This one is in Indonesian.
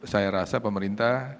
saya rasa pemerintah